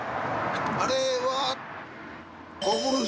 あれは。